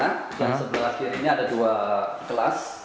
sebelah kiri ini ada dua kelas